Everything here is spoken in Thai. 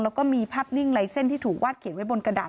แล้วก็มีภาพนิ่งลายเส้นที่ถูกวาดเขียนไว้บนกระดาษ